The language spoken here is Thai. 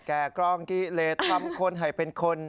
กล้องกิเลสทำคนให้เป็นคน